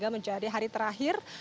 menjadi hari terakhir